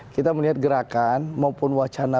kita melihat gerakan maupun wacana